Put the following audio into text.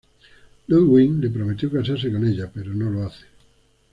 Ludwig le prometió casarse con ella, pero no lo hace.